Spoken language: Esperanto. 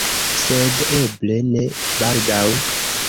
Sed eble, ne baldaŭ.